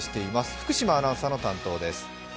福島アナウンサーの担当です。